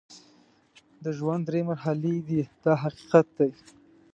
د ژوند درې مرحلې دي دا حقیقت دی.